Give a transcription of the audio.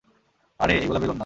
আরে এইগুলা বেলুন না।